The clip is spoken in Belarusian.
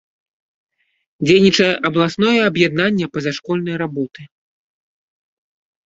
Дзейнічае абласное аб'яднанне пазашкольнай работы.